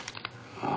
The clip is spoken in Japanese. ああ。